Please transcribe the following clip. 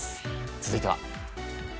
続いては。